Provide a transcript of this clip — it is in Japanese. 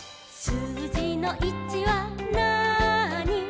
「すうじの１はなーに」